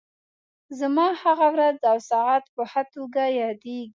زما هغه ورځ او ساعت په ښه توګه یادېږي.